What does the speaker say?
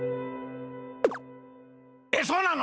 えっそうなの？